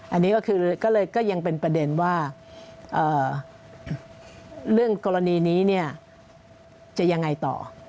อันนี้ก็ยังเป็นประเด็นว่าเรื่องกรณีนี้จะยังไงต่อ